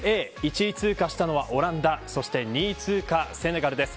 １位通過したのはオランダ２位通過はセネガルです。